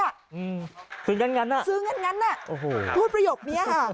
อืมซื้องั้นงั้นอ่ะซื้องั้นงั้นอ่ะโอ้โหพูดประโยคนี้ค่ะ